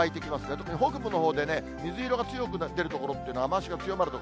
とくに北部のほうでね、水色が強く出る所というのは、雨足が強まる所。